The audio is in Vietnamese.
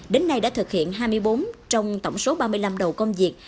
đến nay đã thực hiện hai mươi bốn trong tổng số ba mươi năm đầu công việc